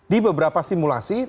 di beberapa simulasi